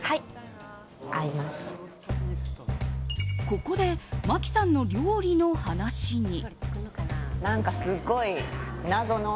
ここで麻希さんの料理の話に。